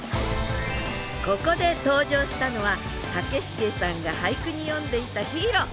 ここで登場したのは武重さんが俳句に詠んでいたヒーロー。